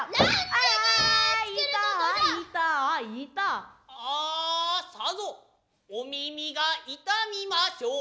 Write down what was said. アアさぞ御耳が痛みましょう。